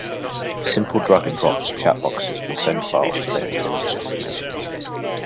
Simple drag-and-drop to chat boxes will send files to their intended destinations.